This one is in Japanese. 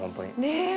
ねえ！